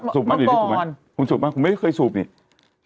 สูบมาอีกคุณไม่เคยสูบไหม